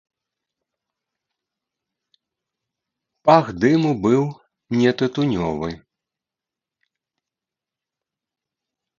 Пах дыму быў не тытунёвы.